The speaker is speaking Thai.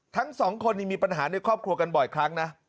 ทั้งสองคนนี้มีปัญหาในครอบครัวกันบ่อยครั้งนะ